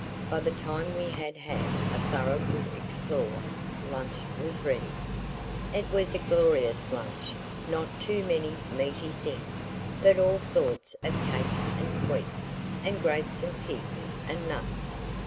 By the time we had had a thorough good explore lunch was ready. It was a glorious lunch–not too many meaty things, but all sorts of cakes and sweets, and grapes and figs and nuts.